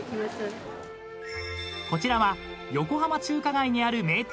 ［こちらは横浜中華街にある名店］